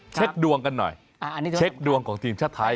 เช็คดวงกันหน่อยเช็คดวงของทีมชาติไทย